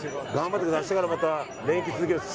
明日からまた連休続きます。